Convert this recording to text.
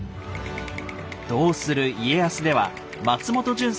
「どうする家康」では松本潤さん